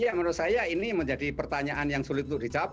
ya menurut saya ini menjadi pertanyaan yang sulit untuk dijawab